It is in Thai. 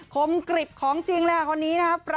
คมกริบของจริงนะคะวันนี้นะครับ